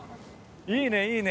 いいねいいね。